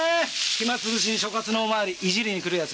暇つぶしに所轄のおまわりいじりに来る奴。